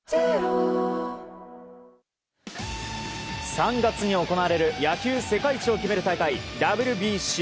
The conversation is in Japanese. ３月に行われる野球世界一を決める大会ＷＢＣ。